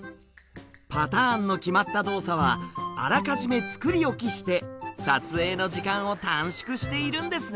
パターンの決まった動作はあらかじめ作り置きして撮影の時間を短縮しているんですね。